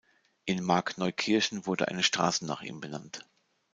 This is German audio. In Markneukirchen wurde eine Straße nach ihm benannt.